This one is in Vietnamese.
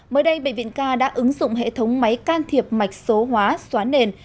mới đây bệnh viện k đã ứng dụng hệ thống máy can thiệp mạch số hóa xóa nền